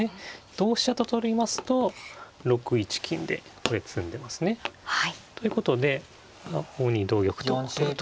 同飛車と取りますと６一金でこれ詰んでますね。ということで５二同玉と取ると。